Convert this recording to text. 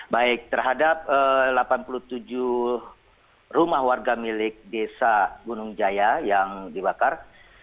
baik terhadap delapan puluh tujuh rumah warga milik desa gunung jaya yang dibakar